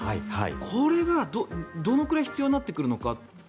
これが、どのくらい必要になってくるのか。